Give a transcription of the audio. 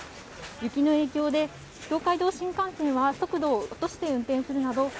雪の影響で東海道新幹線は速度を落として運転するなど